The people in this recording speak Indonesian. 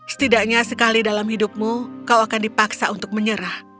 setidaknya sekali dalam hidupmu kau akan dipaksa untuk menyerah